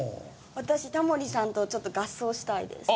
私タモリさんとちょっと合奏したいです。